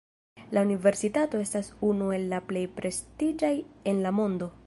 La universitato estas unu el la plej prestiĝaj en la mondo.